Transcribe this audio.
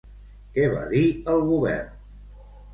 Què va dir el govern?